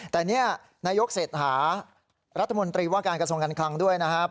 แต่นี่นายกเศรษฐารัฐมนตรีว่าการกระทรวงการคลังด้วยนะครับ